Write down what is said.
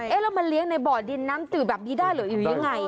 เอ๊ะเรามาเลี้ยงในบ่อดินน้ำตื่นแบบนี้ได้หรืออยู่ยังไง